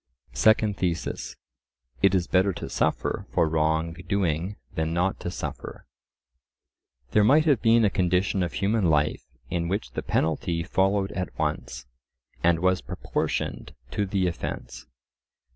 Second Thesis:— It is better to suffer for wrong doing than not to suffer. There might have been a condition of human life in which the penalty followed at once, and was proportioned to the offence.